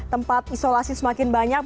tempat isolasi semakin banyak